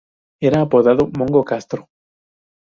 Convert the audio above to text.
Era apodado "Mongo" Castro.